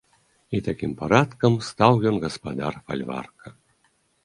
І такім парадкам стаў ён гаспадар фальварка.